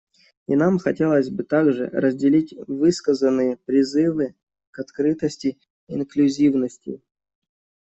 И нам хотелось бы также разделить высказанные призывы к открытости и инклюзивности.